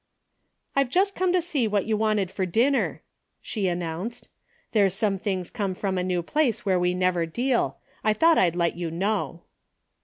•'I just came to see what you wanted fer dinner,'' she announced. " There's some things come from a new place where we never deal. I thought I'd let you know."